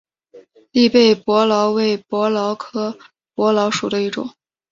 栗背伯劳为伯劳科伯劳属的一种。